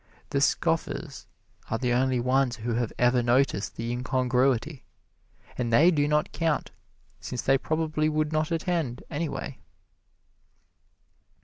The scoffers are the only ones who have ever noticed the incongruity, and they do not count, since they probably would not attend, anyway.